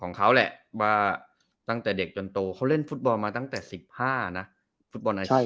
ของเขาแหละว่าตั้งแต่เด็กจนโตเขาเล่นฟุตบอลมาตั้งแต่๑๕นะฟุตบอลอาชีพ